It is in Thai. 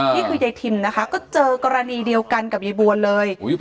นี่คือยายทิมนะคะก็เจอกรณีเดียวกันกับยายบวนเลย